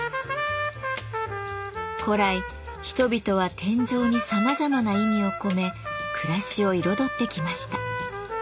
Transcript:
古来人々は天井にさまざまな意味を込め暮らしを彩ってきました。